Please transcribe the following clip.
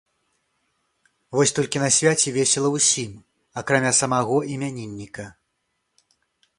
Вось толькі на свяце весела ўсім, акрамя самаго імянінніка.